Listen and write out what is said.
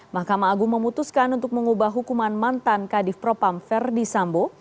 mahkamah agung memutuskan untuk mengubah hukuman mantan kadif propam verdi sambo